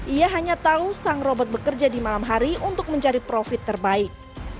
ia hanya tahu sang robot bekerja di malam hari untuk mencari profit terbaik